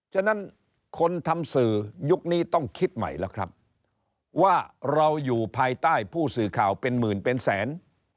ฉะนั้นคนทำสื่อยุคนี้ต้องคิดใหม่แล้วครับว่าเราอยู่ภายใต้ผู้สื่อข่าวเป็นหมื่นเป็นแสน